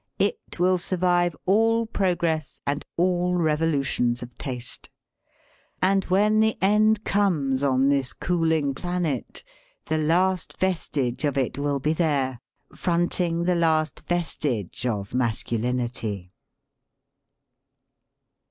It will survive all progress and all revolutions of taste. And when the end comes on this cooling planet the last vestige of it will be there, fronting the last vestige of masculinity.